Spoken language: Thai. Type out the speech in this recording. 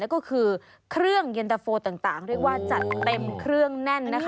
ก็คือเครื่องเย็นตะโฟต่างเรียกว่าจัดเต็มเครื่องแน่นนะคะ